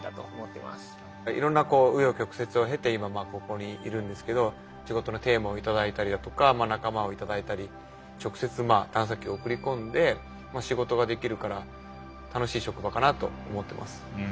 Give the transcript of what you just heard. いろんな紆余曲折を経て今ここにいるんですけど仕事のテーマを頂いたりだとか仲間を頂いたり直接探査機を送り込んで仕事ができるから楽しい職場かなと思ってます。